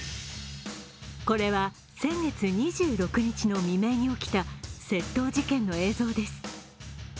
これは先月２６日の未明に起きた窃盗事件の映像です。